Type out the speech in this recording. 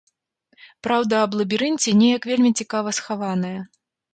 Праўда аб лабірынце неяк вельмі цікава схаваная.